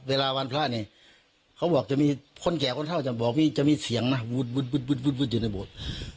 เวลาวันพระเนี่ยเค้าบอกจะมีคนแก่คนเท่าจะมีเสียงนะบุดบุดอยู่ในโบสถ์